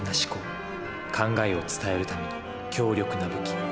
考えを伝えるための強力な武器。